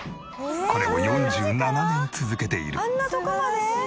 これを４７年続けている。